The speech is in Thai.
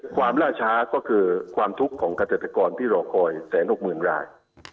ล่าช้าก็คือความทุกข์ของเกษตรกรที่รอคอย๑๖๐๐๐ราย